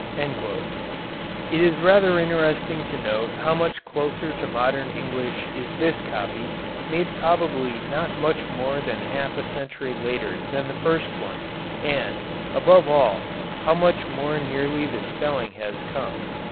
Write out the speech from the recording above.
It is rather interesting to note how much closer to modern English is this copy, made probably not much more than half a century later than the first one and, above all, how much more nearly the spelling has come.